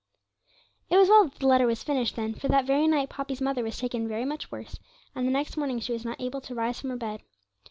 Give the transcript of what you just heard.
It was well that the letter was finished then, for that very night Poppy's mother was taken very much worse, and the next morning she was not able to rise from her bed.